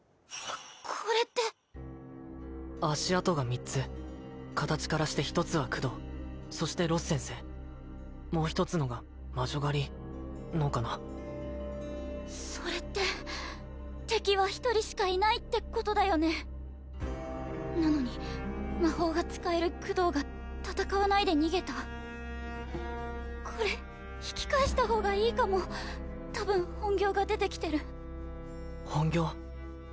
これって足跡が３つ形からして１つはクドーそしてロス先生もう一つのが魔女狩りのかなそれって敵は１人しかいないってことだよねなのに魔法が使えるクドーが戦わないで逃げたこれ引き返した方がいいかも多分本業が出てきてる本業？